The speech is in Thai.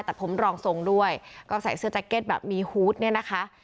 ตัดผมรองทรงด้วยก็ใส่เสื้อแจ็คเก็ตแบบมีฮูตเนี่ยนะคะ